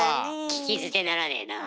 聞き捨てならねえな。